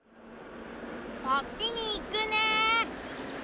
そっちにいくね。